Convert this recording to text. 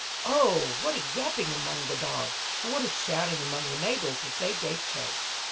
Oh! what a yapping among the dogs, and what a shouting among the neighbours as they gave chase.